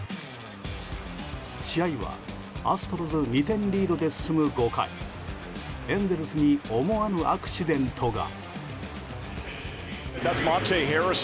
試合は、アストロズ２点リードで進む５回エンゼルスに思わぬアクシデントが。